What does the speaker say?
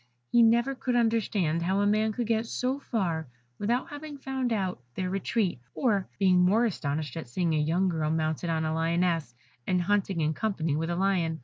He never could understand how a man could get so far without having found out their retreat, or being more astonished at seeing a young girl mounted on a Lioness, and hunting in company with a Lion.